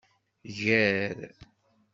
Gar.